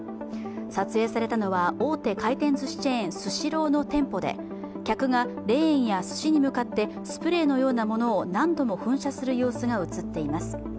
撮影されたのは大手回転ずしチェーン・スシローの店舗で客がレーンやすしに向かってスプレーのようなものを何度も噴射する様子が映っています。